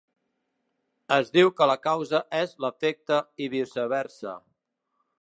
Es diu que la causa és l'efecte i viceversa.